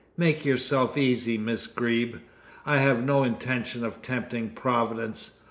"Make yourself easy, Miss Greeb. I have no intention of tempting Providence.